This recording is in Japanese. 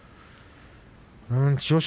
千代翔